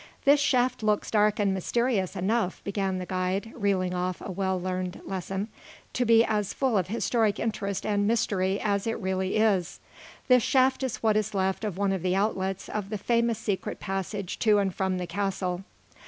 "This shaft looks dark and mysterious enough," began the guide, reeling off a well learned lesson, "to be as full of historic interest and mystery as it really is. This shaft is what is left of one of the outlets of the famous secret passage to and from the castle."